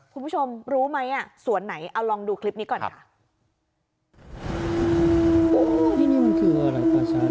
คุณผู้ชมรู้ไหมอ่ะสวนไหนเอาลองดูคลิปนี้ก่อนค่ะ